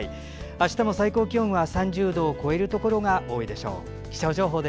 あしたも最高気温は３０度を超えるところが多いでしょう。